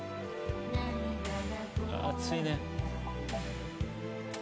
熱いね。